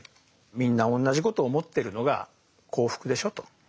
みんな同じこと思ってるのが幸福でしょと。